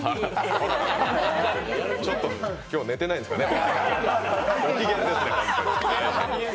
ちょっと今日は寝ていないんですかね、ご機嫌。